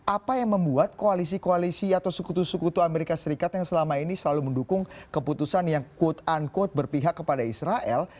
apa yang membuat koalisi koalisi atau sekutu sekutu amerika serikat yang selama ini selalu mendukung keputusan yang quote unquote berpihak kepada israel